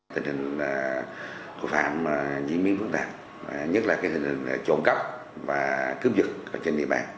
tình hình là tội phạm diễn biến phức tạp nhất là tình hình trộm cắp và cướp giật trên địa bàn